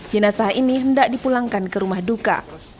jenazah ini hendak dipulangkan ke rumah duka